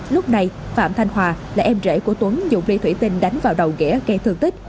lúc này phạm thanh hòa là em rể của tuấn dùng ly thủy tinh đánh vào đầu nghĩa gây thương tích